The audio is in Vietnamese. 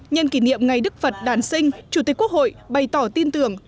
nhân kỷ niệm ngày đức phật đàn sinh chủ tịch quốc hội bày tỏ tin tưởng